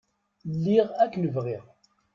Lliɣ akken bɣiɣ.